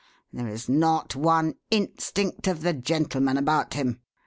There is not one instinct of the gentleman about him.